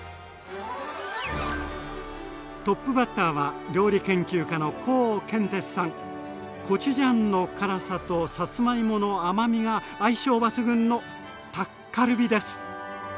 トップバッターはコチュジャンの辛さとさつまいもの甘みが相性抜群のタッカルビです！